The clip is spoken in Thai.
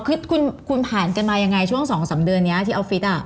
คือคุณผ่านกันมายังไงช่วง๒๓เดือนนี้ที่ออฟฟิศ